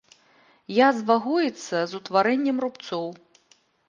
Язва гоіцца з утварэннем рубцоў.